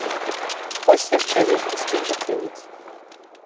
Вось яшчэ лічбы з тых жа крыніц.